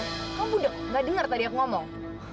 kamu udah gak denger tadi aku ngomong